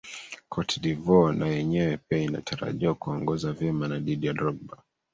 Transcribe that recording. cote devoire na yenyewe pia inatarajiwa kuongoza vyema na didier drogba